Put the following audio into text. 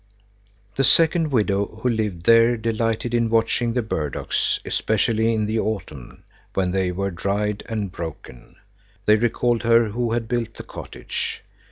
The second widow who lived there delighted in watching the burdocks, especially in the autumn, when they were dried and broken. They recalled her who had built the cottage.